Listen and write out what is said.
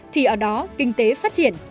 thì ở đó kinh tế phát triển